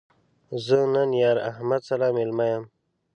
زه نن یار احمد سره مېلمه یم